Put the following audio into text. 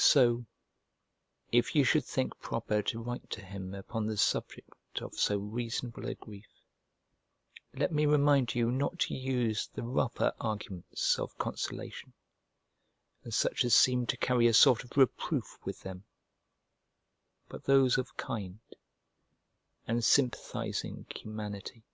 So, if you should think proper to write to him upon the subject of so reasonable a grief, let me remind you not to use the rougher arguments of consolation, and such as seem to carry a sort of reproof with them, but those of kind and sympathizing humanity.